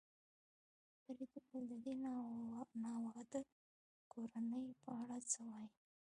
فرید وویل: د دې ناواده کورنۍ په اړه څه وایې؟